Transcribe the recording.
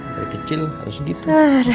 dari kecil harus gitu